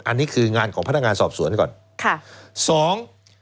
อันนี้คืองานของพนักงานสอบสวนก่อนค่ะสอง